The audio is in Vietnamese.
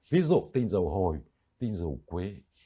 ví dụ tinh dầu hồi tinh dầu quế